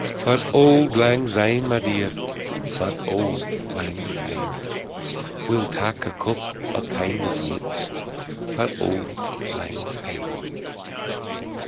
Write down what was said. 20 For auld lang syne, my dear, For auld lang syne, We'll tak a cup o' kindness yet For auld lang syne.